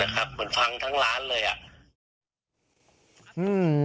เหมือนฟังทั้งร้านเลยอ่ะ